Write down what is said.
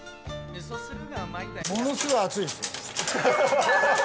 ものすごい熱いですよ。